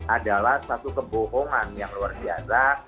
adalah satu kebohongan yang luar biasa